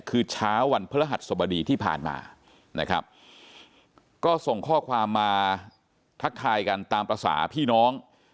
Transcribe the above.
คือเช้าวันพฤหัสสบดีที่ผ่านมานะครับก็ส่งข้อความมาทักทายกันตามภาษาพี่น้อง